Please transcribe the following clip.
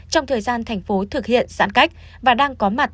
trong thời gian thành phố thực hiện giãn cách và đang có mặt